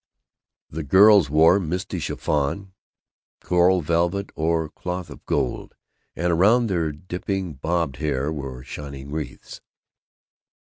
The girls wore misty chiffon, coral velvet, or cloth of gold, and around their dipping bobbed hair were shining wreaths.